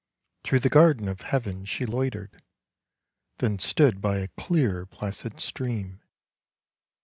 Through the garden of Heaven she loitered, Then stood by a clear, placid stream.